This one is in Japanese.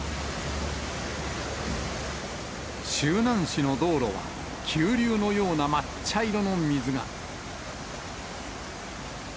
周南市の道路は急流のような真っ茶色の水が。